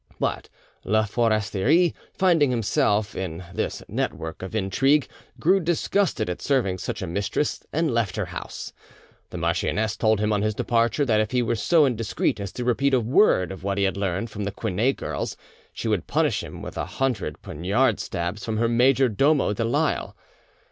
But la Foresterie, finding himself in this network of intrigue, grew disgusted at serving such a mistress, and left her house. The marchioness told him on his departure that if he were so indiscreet as to repeat a word of what he had learned from the Quinet girls, she would punish him with a hundred poniard stabs from her major domo Delisle.